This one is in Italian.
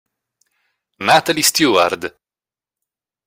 Natalie Steward